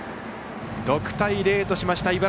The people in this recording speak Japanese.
６対０としました。